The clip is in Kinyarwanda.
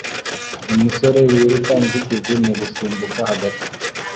Umusore wiruka inzitizi mu gusimbuka hagati